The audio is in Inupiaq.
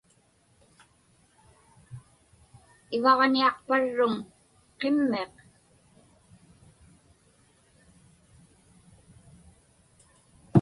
Ivaġniaqparruŋ qimmiq?